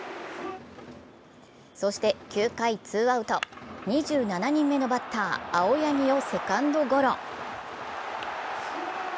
そして９回ツーアウト２７人目のバッター・青柳をセカンドゴロ。